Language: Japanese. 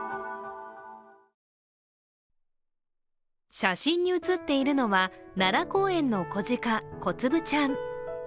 写真に写っているのは奈良公園の子鹿、こつぶちゃん。